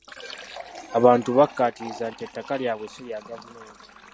Abantu bakkaatiriza nti ettaka lyabwe si lya gavumenti.